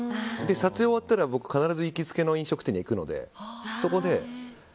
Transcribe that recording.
撮影が終わったら僕、必ず行き着けの飲食店に行くのでそこで。